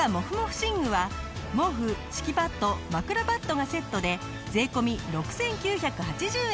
寝具は毛布敷きパッド枕パッドがセットで税込６９８０円。